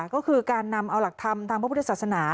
ก็คือการนำเอาหลักธรรมทางพระพุทธศาสนา